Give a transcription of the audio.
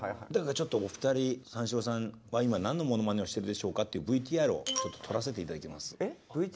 ちょっとお二人三四郎さんは今何のものまねをしてるでしょうかっていうＶＴＲを撮らせて頂いてます。